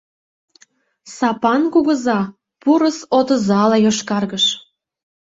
Сапан кугыза пурыс отызала йошкаргыш.